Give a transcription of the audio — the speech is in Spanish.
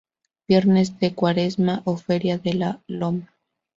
Viernes de Cuaresma o Feria de la Loma.